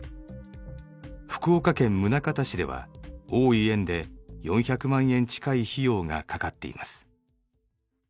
福岡県宗像市では多い園で４００万円近い費用がかかっています。